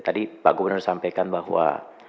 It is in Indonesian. tadi pak gubernur sampaikan bahwa